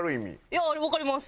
いやわかります。